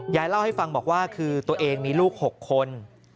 ยายเล่าให้ฟังบอกว่าคือตัวเองมีลูก๖คน